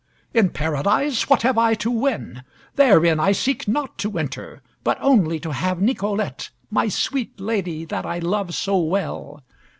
"In Paradise what have I to win? Therein I seek not to enter, but only to have Nicolette, my sweet lady that I love so well.